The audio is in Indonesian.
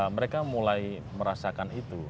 mereka mulai merasakan itu